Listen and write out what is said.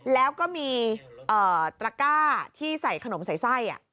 แล้วก็มีตระก้าที่ใส่ขนมใส่ไส้